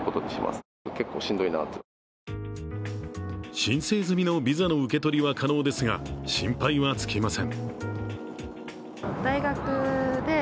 新生済みのビザの受け取りは可能ですが、心配は尽きません。